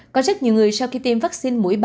có rất nhiều người sau khi tiêm vaccine mũi ba